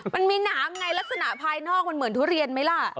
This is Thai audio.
มันมีหนามไงลักษณะภายนอกมันเหมือนทุเรียนไหมล่ะ